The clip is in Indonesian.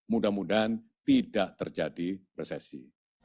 mudah mudahan tidak terjadi resesi